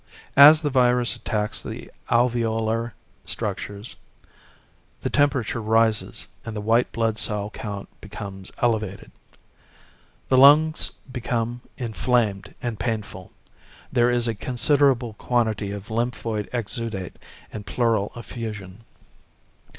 As the virus attacks the alveolar structures, the temperature rises and the white blood cell count becomes elevated. The lungs become inflamed and painful. There is a considerable quantity of lymphoid exudate and pleural effusion.